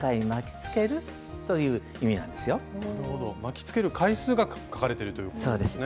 なるほど巻きつける回数が書かれてるということですね。